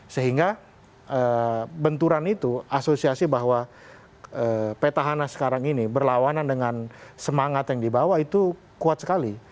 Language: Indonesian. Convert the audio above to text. sehingga benturan itu asosiasi bahwa petahana sekarang ini berlawanan dengan semangat yang dibawa itu kuat sekali